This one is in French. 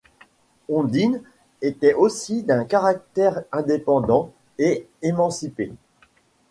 Ondine était aussi d'un caractère indépendant et émancipé.